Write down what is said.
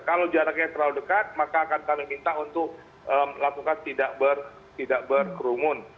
kalau jaraknya terlalu dekat maka akan kami minta untuk melakukan tidak berkerumun